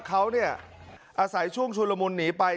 เขาอาศัยช่วงชุลมุนหนีไป